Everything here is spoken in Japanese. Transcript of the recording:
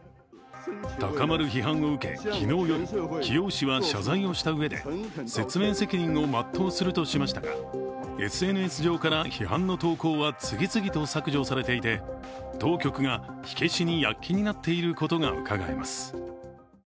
高まる批判を受け、昨日夜、貴陽市は謝罪をしたうえで説明責任を全うするとしましたが、ＳＮＳ上から批判の投稿は次々と削除されていて、当局が火消しに躍起になっていることがうかがえます。